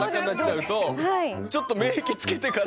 ちょっと免疫つけてから。